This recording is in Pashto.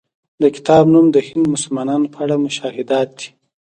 د کتاب نوم د هند د مسلمانانو په اړه مشاهدات دی.